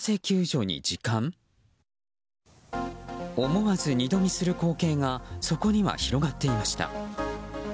思わず二度見する光景がそこには広がっていました。